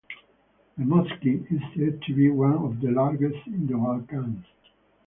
The mosque is said to be one of the largest in the Balkans.